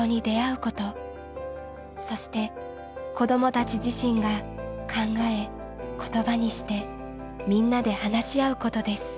そして子どもたち自身が考え言葉にしてみんなで話し合うことです。